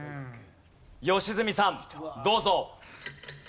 良純さんどうぞ。